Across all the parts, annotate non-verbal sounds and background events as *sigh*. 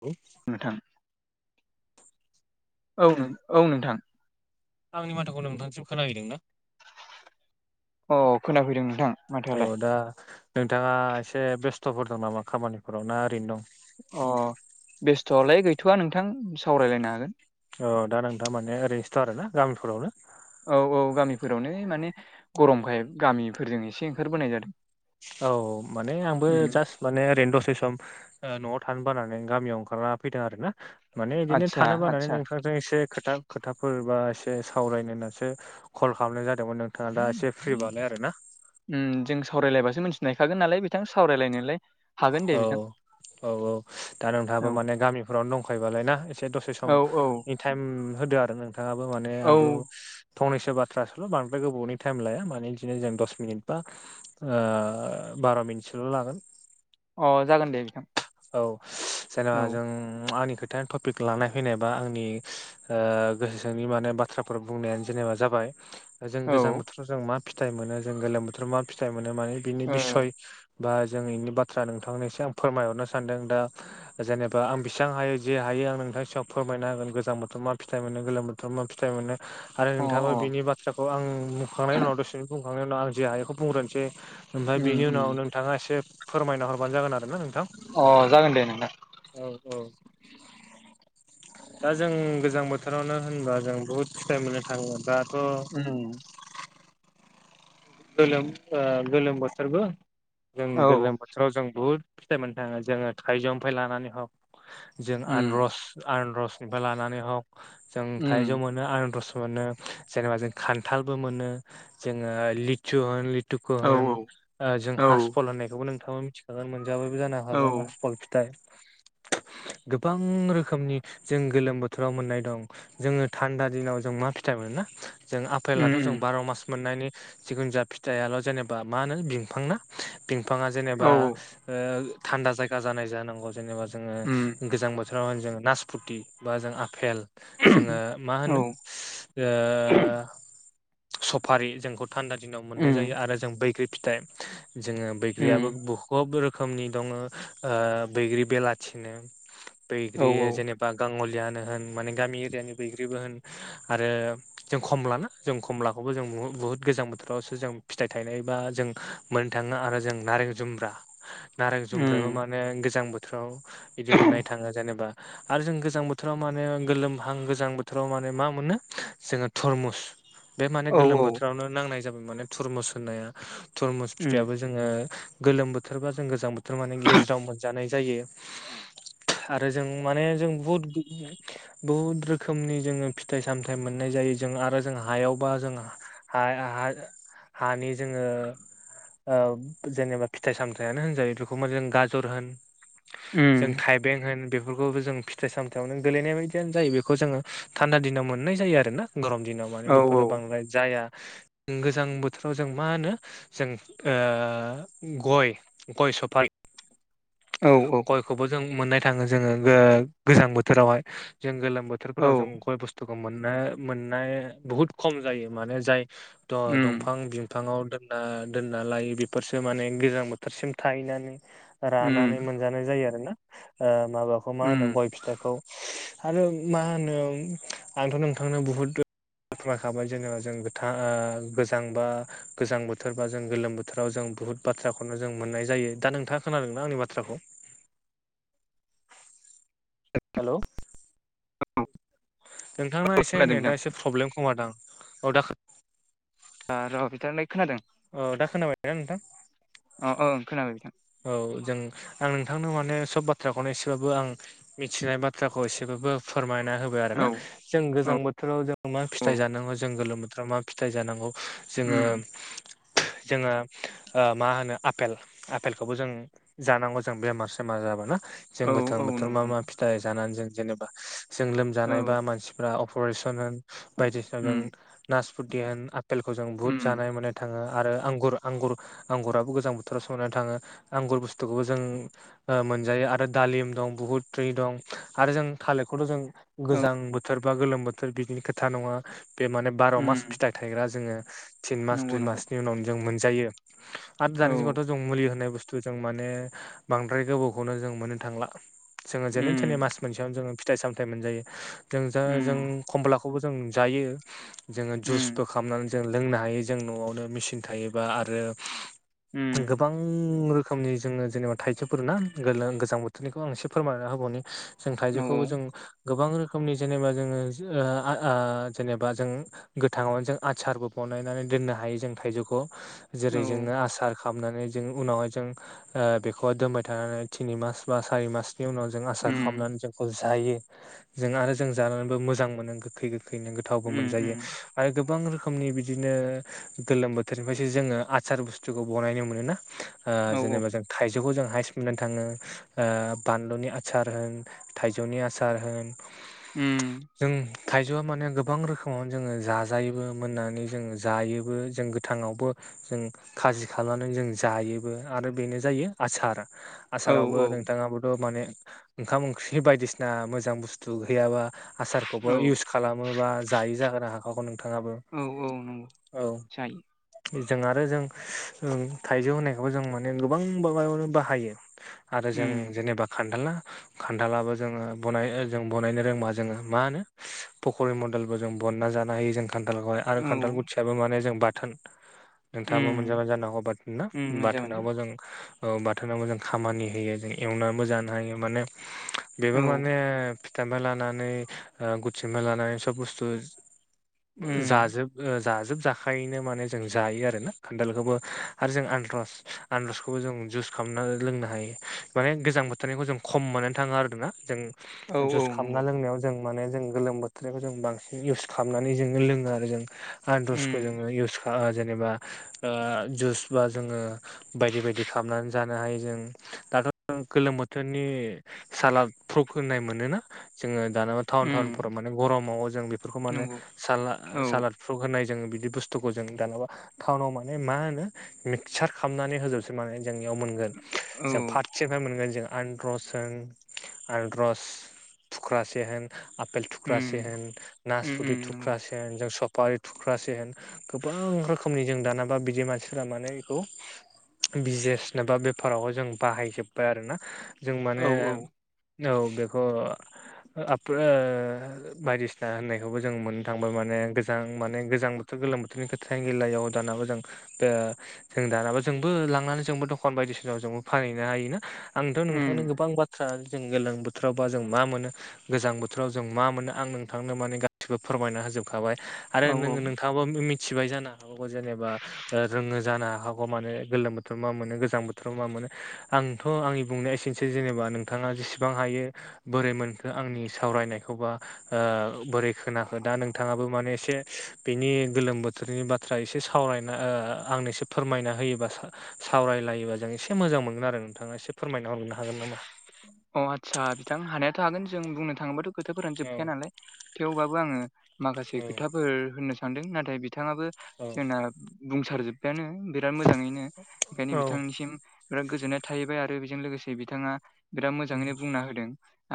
ओ नोंथां औनो औ नोंथां। आंनि माथोखौ नोंथांसिम खोनाहैदों ना। अ खोनाफैदों नोंथां। औ माथोआलाय दा नोंथाङा एसे बेस्थ'फोर दं नामा खामानिफोराव ना ओरैनो दं। अ बेस्थ'आलाय गैथ'आ नोंथां सावरायलायनो हागोन। अ दा नोंथां माने ओरैन्सोथ' आरो ना गामिफोरावनो। औ औ गामिफोरावनो माने गरमखाय गामिफोरजों इसे ओंखारबोनाय जादों। औ माने आंबो उम जास्ट माने ओरैनो दसे सम ओ न'आव थानो बानानै गामियाव ओंखारना फैदों आरो ना। माने इदिनो आदसा थानो बानानै आदसा नोंथांजों एसे खोथा खोथाफोर बा एसे सावरायनो होननासो कल खामनाय जादोंमोन नोंथाङा दा इसे फ्रि बालाय आरो ना। उम जों सावरायलायबासो मिथिनायखागोन नालाय बिथां सावरायलायनोलाय हागोन औ दे बिथां। औ औ दा नोंथाङाबो औ माने गामिफोरावनो दंखायोबालाय ना एसे दसे सम औ औ टाइम होदो आरो नोंथाङाबो माने औ आंबो फंनैसो बाथ्रासोल' बांद्राय गोबावनि टाइम लाया माने बिदिनो जों दस मिनिट बा ओ बार' मिनिटसोल' लागोन। अ जागोन दे बिथां। औ औ जेनेबा जों आंनि खोथायानो टपिक लानाय फैनाय बा आंनि ओ गोसो सनि माने बाथ्राफोर बुंनायानो जेनेबा जाबाय जों औ गोजां ओ बोथोराव जों मा फिथायाइ मोनो जों गोलोम बोथोराव मा फिथाइ मोनो माने बिनि अ बिसय बा जों इनि बाथ्रा नोंथांनो एसे आं फोरमायहरनो सानदों दा जेनेबा आं बेसिबां हायो जे हायो आं नोंथांनि सिगांआव फोरमायना होगोन गोजां बोथोर मा फिथाइ मोनो गोलोम बो थोराव मा फिथाइ मोनो आरो अ नोंथाङाबो बिनि बाथ्राखौ आं बुंखांनायनि उनाव दसे बुंखांनायनि उनाव आं जे हायखौ बुंग्रोनसै ओमफ्राय उम बेनि उम उनाव नोंथाङा एसे फोरमायना हरबानो जागोन आरो ना नोंथां। अ जागोन दे नोंथां। औ औ दा जों गोजां बोथोरावनो होनबा जों बुहुद फिथाइ मोननो थाङो दाथ' औ गोलोम ओ गोलोम बोथोरबो जों औ गोलोम बोथोर *unintelligible* जों बुहुत फिथाइ मोननो थाङो जोङो थाइजौनिफ्राय लानानै हक जों उम आनरस आनरसनिफ्राय लानानै हक जों थाइजौ उम मोनो आनरस मोनो जेनेबा जों खान्थालबो मोनो जोङो लिथु होन दुखु औ होन ओ जों औ हास फल होननायखौबो नोंथाङा मिथिखागोन मोनजाबायबो जानो औ हागोन औ आसफल फिथाइ गोबां रोखोमनि जों गोलोम बोथोराव मोननाय दं जोङो थान्दा दिनाव जों मा फिथाइ मोनोना जों उम आफेलाथ' जों उम बार' मास मोननायनि जिखुनु ज फिथाइल' जेनेबा मा होनो बिफां ना बिंफाङा औ जेनेबा औ ओ थान्दा जायगा जानाय जानांगौ जेनेबा जोङो उम गोजां बोथोराव जोङो नासपुथि बा जों आफेल जोङो मा औ होनो ओ सफारि जोंखौ थान्दा दिनाव मोननाय उम जायो आरो जों बैग्रि फिथाइ जोङो बैग्रियाबो उम बहु खब रोखोमनि दङ ओ बैग्रि बेलाथिनो औ बैग्रि औ जेनेबा बा गाङलियानो होन माने गामि एरियानि बैग्रिबो होन आरो जों खमलाना जों खमलाखौबो जों बुहु बुहुद गोजां बोथोरावसो जों फिथाइ थायनाय बा जों मोननो थाङो आरो जों नारें जुमब्रा नारें जुम्रबो उम माने गोजां बोथोराव बिदि मोननाय थाङा जेनेबा आरो जों गोजां बोथोराव माने गोलोमहां गोजां बोथोराव माने मा मोनो जोङो थरमुस बे माने औ गोलोम औ बोथोरावनो नांनाय जाबाय माने धरमुस होननाया धरमुस उम फिथाइयाबो जोङो गोलोम बोथोरबा जों गोजां बोथोर माने गेजेराव मोनजानाय जायो। आरो जों माने जों बुहुत बहुद रोखोमनि जोङो फिथाइ सामथाय मोननाय जायो जों आरो जों हायावबा जों ह ह हानि जोङो ओ जेनेबा फिथाइ सामथायाइानो होनजायो बेखौ म जों गाजर होन उम जों थाय बें बेफोरखौबो जों फिथाइ सामथायाइाव नों देलैनाय बायदियानो जायो बेखौ जोङो थान्दा दिनाव मोननाय जायो आर ना गरम दिनाव औ माने औ बेफोरो बांद्राय जाया गोजां बोथोराव जों मा होनो जों ओ गय गय साफारि औ औ खौबो जों मोननाय थाङो जोङो ओ गोजां बोथोरावहाय जों गोलोम औ बोथोरफोराव जों गय बसथु *unintelligible* मोननाय बुहुत खम जायो माने जाय उम दंफां बि बिफाङाव दोन दोनना लायो बेफोरसो माने गोजां बोथोरसिम थाहैनानै रानानै उम मोनजानाय जायो आरो ना ओ माबाखौ मा होनो उम गय फिथाइखौ आरो मा होनो आंथ' नोंथांनो बुहुद *unintelligible* जेनेबा जों गोथां गोजां बा गोजां बोथोर बा जों गोलोम बोथोराव जों बुहुत बाथ्राखौनो जों मोननाय जायो दा नोंथाङा खोनादोंना आंनि बाथ्रा थ्राखौ हेल' औ नोंथांना एसे खोनादों नोंथां नेटा एसे प्रब्लेम खमा दां औ दा र बिथांलाय खोनादों औ दा खोनाबायना नोंथां? औ औ खोनाबाय नोंथां औ जों आं नोंथांनो माने सब बाथ्राखौनो एसेबाबो आं मिथिनाय बाथ्राखौ एसेबबो फोरमायना होब बाय आरो औ ना जों गोजां औ बोथोराव जों मा औ फिथाइ जानांगौ जों गोलोम बोथोराव मा फिथाइ जानांगौ जोङो उम जोङो ओ मा होनो आपेल आफेलखौबो जों जानांगौ जों बेमार सेमार जाबाना जों औ गोथां औ बोथोर नंगौ मा मा नंगौ थाइ जानानै जों जेनेबा जों लोमजानाय औ बा मानसिफ्रा अपारेसन होन बायदिसिना जों उम नासपुरदिय होन आपेलखौ जों बुहुत उम जानाय माने थाङो आरो आंगुर आंगुर आंगुराबो गोजां बोथोराव संनानै थाङो आंगुर बुस्थुखौबो जों मोनजायो आरो दालिम दं बुहुद्रि दं आरो जों थालिरखौथ' जों गोजां बोथोर बा गोलोम बोथोर बिनि खोथा नङा बे माने बार' मास उम फिथाइ ज नंगौ नंगौ उाव ज मोन आरो औ दानिाव' ज मुलि होनाय बुस्थु जों माने बांद्राय गोबावखौनो जों मोननो थांला जोङो जेनेन थेनै उम मास मोनसेयावनो जोङो फिथाइ सामथाइ मोनजायो जों जा उम जों खमलाखौबो जों जायो जोङो उम जुइसबो खालामनानै जों लोंनो हायो जों न'आवनो मेचन थायोबा आरो उम गोबां रोखोमनि जोङो जेनेबा थाइजसेफोर ना गोजां बोथोरनिखौ आं एसे फोरमायना होबावनि जों औ थाइजौखौ जों गोबां रोखोमनि जेनेबा जोङो जेनेबा जों गोथाङावनो जों आ आसारबो बानायनानै दोननो हायो जों थायजौखौ औ जेरै जोङो आसार खालामनानै जों उनावहाय जों बेखौह दोनबाय थानानै थिनि मास बा सारि मासनि उनाव जों आसार उम खालामनानै जों जायो जों आरो जों जानानैबो मोजां मोनो गोखै गोखैनो गोथावबो उम मोनजायो उम आरो गोबां रोखोमनि बिदिनो गोलोम बोथोरनिफ्रायसो जोङो आसार बुस्थुखौ बनायनो मोन ना औ जेनेबा जों थाइजौखौ जों हाइस मोननानै थाङो बानलुनि आसचार होन थाइजौनि आसार होन उम जों थाइजौआ माने गोबां रोखोमावनो जोङो जाजायोबो मोननानै जोङो जायोबो जों गोथाङावबो जों खाजि खालामनानै जों जायोबो आरो बेनो जायो आसार औ आसारावबो औ नोंथाङाबोथ' माने ओंखाम ओंख्रि बायदिसिना मोजां बुस्थु गैयाबा आसारखौबो औ इउस खालामोबा जायो जागोना हाखाखौ नोंथाङाबो औ औ नंगौ औ जायो जों आरो जों थाइजौ होनायखौबो जों माने गोबां माबायावनो बाहायो आरो जों उम जेनेबा खान्दाला खान्थालाबो जोङो ब जों बनायनो रोङा जोङो मा होनो पकरि मडेलबो जों बनना जानो हायो जों खान्थालखौहाय आरो औ खान्थाल गुथियाबो माने जों बाथोन नोंथाङाबो उम मोनजाबानो जानो हागौ बा उम मोनजा मोनजा बाथोनाव ज बोनाव मो जों खामानि होयो जों एवनानैबो जानो हायो माने औ बेबो माने फिथफ्राय लानानै गुथिनिफ्राय लानानै सब बुस्थु उम जाजोब जाजोब जाखायैनो माने जों जायो आरोोना खान्दालखौबो आरो जों आन्रस आनद्रसखौबो जों जुस खालामना लोंनो हायो माने गोजां बोथोरनिखौ जों खम मोननानै थाङो आरो दाना जों औ औ जुइस खालामना नंगौ लोंनायाव जों माने जों गोलोम बोथोरखौ जों बांसिन इउस खालामनानै जोङो लोङो आरो जों आनारसखौ उम जोङो इउस खालाम जेनेबा ओ जुस बा जोङो बायदि बायदि खालामनानै जानो हायो जों दाथ' गोलोम बोथोरनि सालाद फ्रुख होननाय मोनोना जोङो दाना मा टाउन उम थटाउनफोराव माने गरमाव जों बेफोरखौ माने नंगौ साला औ सालाद प्रख होनाय जोङो बिदि बुस्थुखौ जों दानबा टाउनाव माने मा होनो मिक्सार खालामनानै होजोबसैनानैे जोंनियाव मोनगोन औ जों फार सेनो मोनगोन जों एनडरस होन आनदरस *inaudible* *unintelligible* फुख्रासे होन आफेल थुख्रासे उम होन उम नासफथि उम नंगौ थुख्रासे जों सफारि थुख्रासेेन गोबां रोखोमनि जों दानाबा बिदि मानसि फोरा माने बेखौ बिजनेस बा बेफाराव जों बाहायजोब्बाय आरो ना जों औ माने औ बेखौ ओ बायदिसिना होननायखौबो जों मोननो थांबाय माने गोजां माने गोजां बोथोर गोलोम बोरनि खोथाया गलायाव दानाबो जां दा जों दानाबा जोंबो लांनानै जोंबो दखान बायदिसिनाव जोंबो फानहैनो हायोना आंथ' नोंथांनो उम गोबां बाथ्रा जों गोलां बोथोराव बा जों मा मोनो गोजां बोथोराव जों मा मोनो आं नोंथांनो माने गासिबो फोरमायना होजोबखाबाय। आरो औ औ नोंङो नोंथाङाबो मिथिबाय जानो हागौ जेनेबा ओ रोङो जानो हाखागौ माने गोलोम बोथोराव मा मोनो गोजां बोथोराव मा मोनो आं थ' आंनि बुंनाया एसेनोसै जेनेबा नोंथाङा जेसेबां हायो बोरै मोनखो आंनि सावरायनायखौ बा ओ बोरै खोनाखो दा नोंथाङाबो माने एसे बिनि गोलोम बोथोरनि बाथ्रा एसे सावरायना ओ आंनिसिम फोरमायना होयोबा सावरायलायोबा जों एसे मोजां मोनगोन आरो नोंथाङा एसे फोरमायना हरनो हागोन नामा? अ आदसा बिथां हानायाथ' हागोन जों बुंनो थाङोबाथ' खोथाफोरानो औ जोबखाया नालाय थेवबो आंङो माखसे औ खोथा फोर होननो सानदों नाथाय बिथाङाबो औ जोंना बुंसार जोब्बायानो बिराद मोजांङैनो ओंखायनो बिथांनिसिम बिराद गोजोननाय थाहैबाय आरो बेजों लोगोसे बिथाङा बिराद मोजाङैनो बुंना होदों।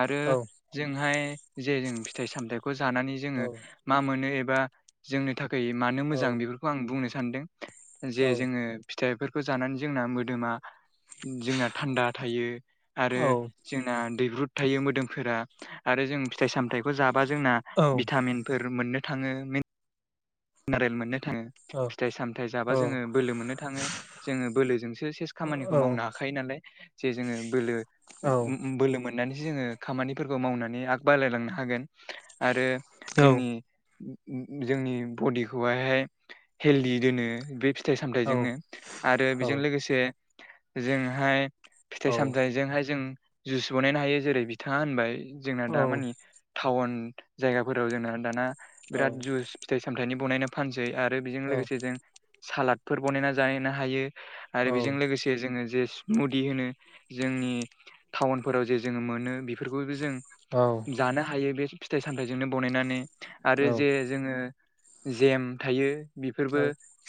आरो औ जोंहाय जे जों फिथाइ सामथायाइखौ जानानै जोंङो मा मोनो एबा जोंनि थाखाय मानो औ मोजां बेफोरखौ आं बुंनो सानदों। औ जे जोंङो फिथाइफोरखौ जानानै जोंना मोदोमा जोंना थान्दा थायो। आरो जोंना दैब्रुद थायो मोदोमफोरा आरो जों फिथाइ सामथायाइखौ जाबा जोंना औ भिटामिनफोर मोननो थांङो मारै मोननो थाङो फिथाइ सामथाय जाबा औ जोंङो बोलो मोननो थाङो जोंङो बोलोजोंसो सेस खामानिखौ मावनो हागोन। खायो नालाय जे जोंङो बोलो औ बोलो मोनो नानैसो जोंङो खामानिफोरखौ मावनानै आग बाराय लांनो हागोन आरो जोंनि जोंनि बडिखौहायहाय हेलदि दोनो बे फिथाइ सामथाइजोंनो आरो बेजों लोगोसे जोंहाय फिथाइ सामथायाइजोंहाय जों जुइस बानायनो हायो जेरै बिथाङा होनबाय जोंना दामानि टाउन जायगाफोराव जोंना दाना बिराद जुइस फिथाइ सामथायाइनि बनायना फानसै आरो बेजों लोगोसे जों सालादफोर बानायना जानो हायो। औ आरो बेजों लोगोसे जे जोंङो जे स्मुदि होनो जोंनि टाउनफोराव जे जोंङो मोनो बेफोरखौबो जों औ जानो हायो बे फिथाइ सामथाइजोंनो बनायनानै औ आरो जे जोंङो जेम थायो बेफोरबो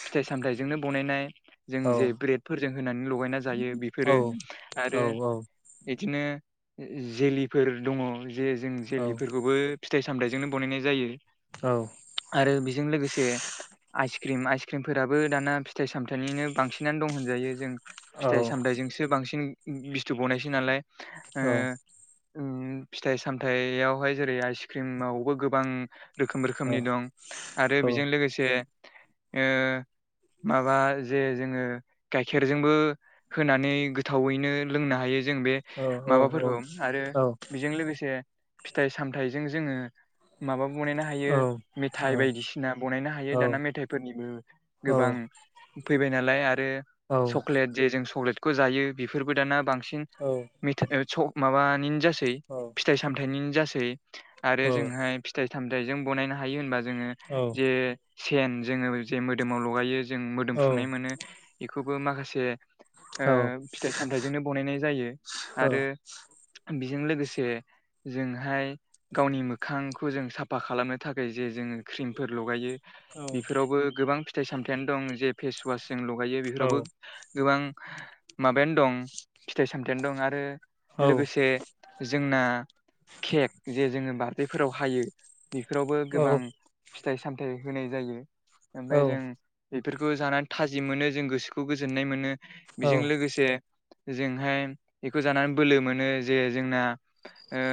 फिथाइ सामथायाइजोंनो बनायनाय। जों जे ब्रेडफोरजों होनानै लगायना जायो बेफोरो आरो बिदिनो जेलिफोर दङ जे जों जेलिफोरखौबो फिथाइ सामथायाइजोंनो बानायनाय जायो। औ आरो बेजों लोगोसे आइसक्रिम आइसक्रिमफोराबो दाना फिथाइ सामथायाइनिनो बांसिनानो दं होनजायो जों फिथाइ सामथायाइजोंसो बांसिन बस्थु बनायसै नालाय ओ फिथाइ सामथायाइयावहाय जेरै आइसक्रिमावबो गोबां रोखोम रोखोमनि दं। आरो बेजों लोगोसे ओ माबा जे जोंङो गाइखेरजोंबो होनानै गोथावैनो लोंनो हायो जों बे माबाफोरखौ आरो बेजों लोगोसे फिथाइ सामथायाइजों जोंङो माबा बानायनो हायो। मेथाइ बायदिसिना बनायनो हायो दाना मेथाइफोरनिबो गोबां फैबाय नालाय आरो चक्लेट जे जों सक्लेटखौ जायो बेफोरबो दाना बांसिन औ मेथाइ माबानिनो जासै फिथाइ सामथायाइनिनो जासै आरो जोंहाय फिथाइ सामथाइ जों बानायनो हायो होनबा जोङो जे सेन जोंङो जे मोदोमाव लगायो। जों मोदोमफ्रुनाय मोनो बेखौबो माखासे फिथाइ सामथायाइजोंनो बनायनाय जायो। आरो बेजों लोगोसे जोंहाय गावनि मोखांखौ जों साफा खालामनो थाखाय जे जोङो क्रिमफोर लगायो बेफोरावबो गोबां फिथाइ सामथायानो दं जे फेसवास जों लगायो बेफोरावबो गोबां माबायानो दं फिथाइ सामथायाइानो दं आरो लोगोसे जोंना केक जे जोङो बार्थडेफोराव हायो बेफोरावबो गोबां फिथाइ सामथाइ होनाय जायो ओमफाय जों बेफोरखौ जानानै थाजिम मोनो जों गोसोखौ गोजोननाय मोनो बेजों लोगोसे जोंहाय बेखौ जानानै बोलो मोनो जे जोंना ओ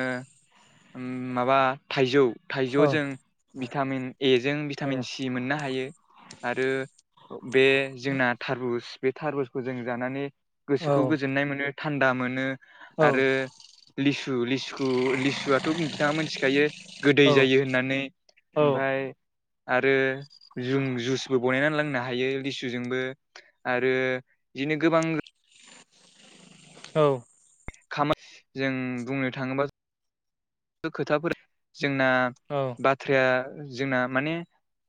मुं माबा थाइजौ थाइजौ जों भिटामिन एजों भिटामिन सि दि मोननो हायो आरो बे जोंना थारबुज बे थारबुसखौ जों जानानै गोसोखौ गोजोननाय मोनो थान्दा मोनो आरो लिसु लिसुखौ लिसुआथ' बिथाङा मिथिखायो गोदै जायो होननानै ओमफाय आरो जुं जुसबो बनायनानै लोंनो हायो लिसुजोंबो आरो दिनो गोबां औ खामा जों बुंनो थाङोबा खोथाफोरा जोंना औ बाथ्राया जोंना माने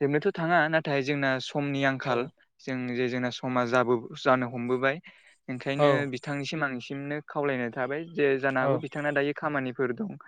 जोबनोथ' थाङा नाथाय जोंना समनि आंखाल जों जे जोंना समाज जाब जानो हमबोबाय औ ओंखायनो बिथांनिसिम आंसिमनो खावलायनाय थाबाय जे जानो औ औ हागौ बिथांना दायो खामानिफोर दं